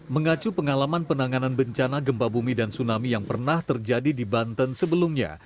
mengacu pengalaman penanganan bencana gempa bumi dan tsunami yang pernah terjadi di banten sebelumnya